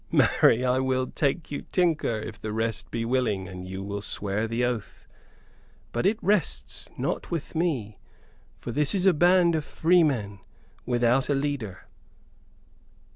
"Marry, I will take you, tinker if the rest be willing, and you will swear the oath. But it rests not with me, for this is a band of freemen, without a leader."